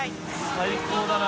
最高だな